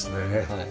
はい。